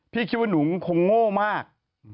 พี่คิดว่าหนูคงโง่มาก